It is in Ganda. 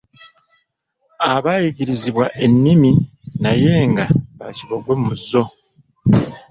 Abayigirizibbwa ennimi naye nga bakibogwe mu zo.